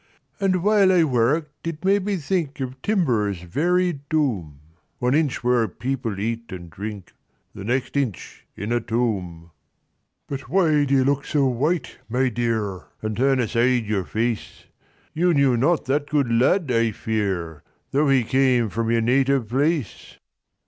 "And while I worked it made me think Of timber's varied doom; One inch where people eat and drink, The next inch in a tomb. "But why do you look so white, my dear, And turn aside your face? You knew not that good lad, I fear, Though he came from your native place?"